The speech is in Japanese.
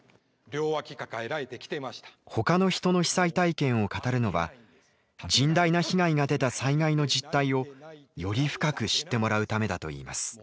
ほかの人の被災体験を語るのは甚大な被害が出た災害の実態をより深く知ってもらうためだといいます。